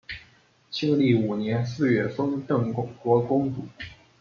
庆历五年四月封邓国公主。